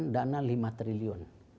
memakan dana lima triliun